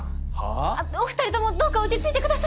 あっお２人共どうか落ち着いてください。